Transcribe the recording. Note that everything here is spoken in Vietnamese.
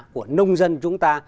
của nông dân